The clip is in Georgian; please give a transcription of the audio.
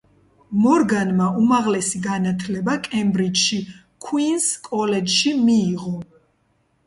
მორგანმა უმაღლესი განათლება კემბრიჯში, ქუინს კოლეჯში მიიღო.